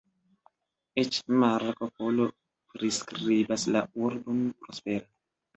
Eĉ Marko Polo priskribas la urbon prospera.